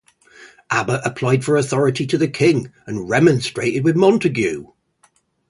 Abbot applied for authority to the King, and remonstrated with Montagu.